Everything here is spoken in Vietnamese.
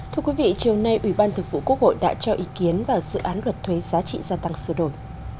thưa quý vị chiều nay ủy ban thực vụ quốc hội đã cho ý kiến vào dự án luật thuế giá trị gia tăng sửa đổi